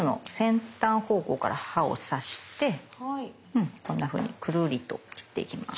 うんこんなふうにくるりと切っていきます。